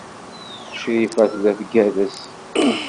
Crifa tella tgerrez.